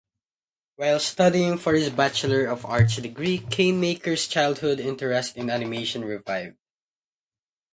While studying for his bachelor of arts degree, Canemaker's childhood interest in animation revived.